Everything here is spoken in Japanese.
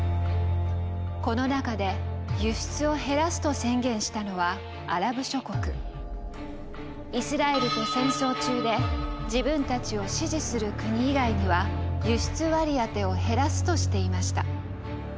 この中で輸出を減らすと宣言したのはイスラエルと戦争中で自分たちを支持する国以外には輸出割り当てを減らすとしていました。